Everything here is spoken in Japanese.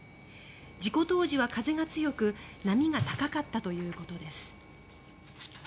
事故当時は風が強く波が高かったということです。